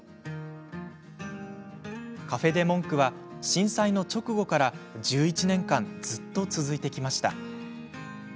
カフェ・デ・モンクは震災の直後から１１年間ずっと続いてきました。